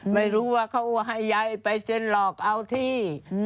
ไม่รู้ว่าเขาให้ยายไปเซ็นหลอกเอาที่